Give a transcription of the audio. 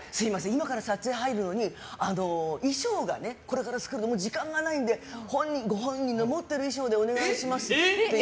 今から撮影入るのに衣裳が、これから作るのもう時間がないのでご本人の持ってる衣装でお願いしますって。